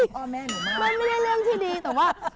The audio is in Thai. พ่อแม่หนูมาก